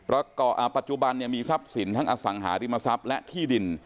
ปัจจุบันเนี่ยมีทรัพย์สินทั้งอสังหาริมทรัพย์และที่ดิน